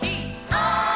「おい！」